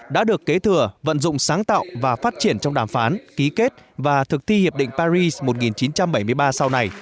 đã được kế thừa vận dụng sáng tạo và phát triển trong đàm phán ký kết và thực thi hiệp định paris một nghìn chín trăm bảy mươi ba sau này